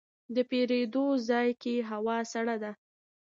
د پیرود ځای کې هوا سړه ده.